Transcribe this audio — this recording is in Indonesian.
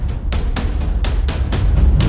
dia sudah menikah